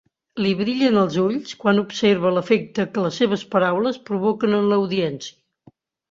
Li brillen els ulls quan observa l'efecte que les seves paraules provoquen en l'audiència.